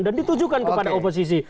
dan ditujukan kepada oposisi